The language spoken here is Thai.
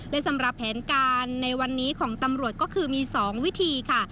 และสำหรับแผนการในวันนี้ของตำรวจก็คือมี๒วิธีค่ะ